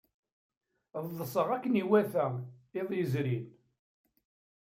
Ḍḍseɣ akken iwata iḍ yezrin.